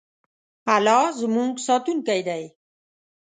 الله زموږ ساتونکی دی.